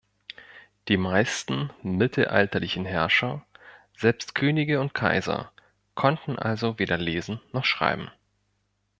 Die meisten mittelalterlichen Herrscher, selbst Könige und Kaiser, konnten also weder lesen noch schreiben.